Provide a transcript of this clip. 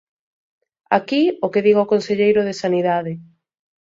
Aquí o que diga o conselleiro de Sanidade.